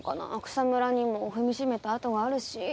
草むらにも踏みしめた跡があるし。